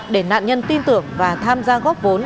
để nạn nhân tin tưởng và tham gia góp vốn